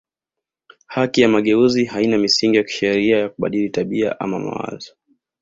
Haki ya mageuzi haina misingi ya kisheria ya kubadili tabia ama mawazo